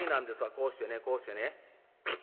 こうしてねこうしてね。